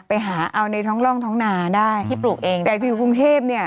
ไปหาเอาในท้องร่องท้องนาได้ที่ปลูกเองแต่อยู่กรุงเทพเนี่ย